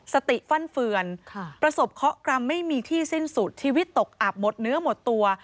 สติฟั่นเฟือนประสบเคาะกรรมไม่มีที่สิ้นสุดชีวิตตกอับหมดเนื้อหมดตัว